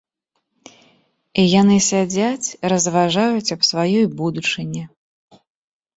І яны сядзяць, разважаюць аб сваёй будучыні.